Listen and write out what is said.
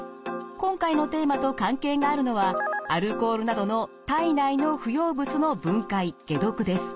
今回のテーマと関係があるのは「アルコールなどの体内の不要物の分解・解毒」です。